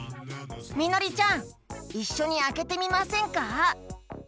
みのりちゃんいっしょにあけてみませんか？